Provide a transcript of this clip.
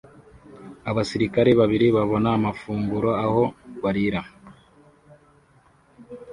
Abasirikare babiri babona amafunguro aho barira